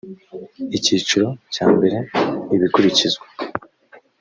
icyiciro cya mbere ibikurikizwa